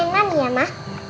aku mainan ya ma